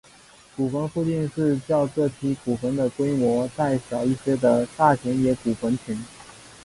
古坟附近是较这批古坟的规模再小一些的大野田古坟群。